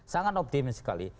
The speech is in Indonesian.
sangat optimis sekali